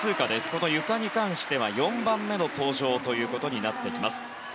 このゆかに関しては４番目の登場となってきます。